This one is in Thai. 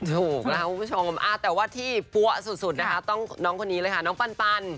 ถูกนะคะคุณผู้ชมแต่ว่าที่ปั๊วสุดนะคะต้องน้องคนนี้เลยค่ะน้องปัน